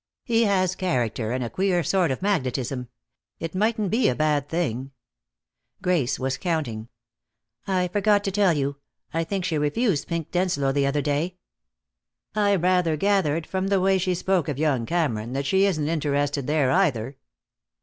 "He has character, and a queer sort of magnetism. It mightn't be a bad thing " Grace was counting. "I forgot to tell you; I think she refused Pink Denslow the other day." "I rather gathered, from the way she spoke of young Cameron, that she isn't interested there either."